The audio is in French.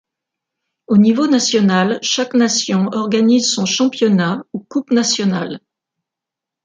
Au niveau national chaque nation organise son championnat ou coupe nationale.